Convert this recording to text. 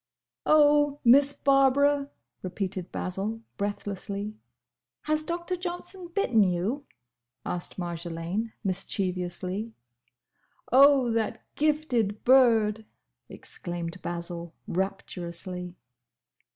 "Oh, Miss Barbara!" repeated Basil, breathlessly. "Has Doctor Johnson bitten you?" asked Marjolaine, mischievously. "Oh, that gifted bird!" exclaimed Basil, rapturously.